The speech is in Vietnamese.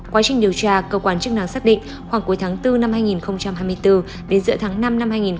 quá trình điều tra cơ quan chức năng xác định khoảng cuối tháng bốn năm hai nghìn hai mươi bốn đến giữa tháng năm năm hai nghìn hai mươi ba